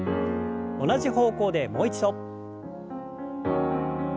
同じ方向でもう一度。